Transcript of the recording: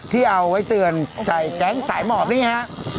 ที่เอาไว้เตือนใจแก๊งสายหมอบนี่ฮะ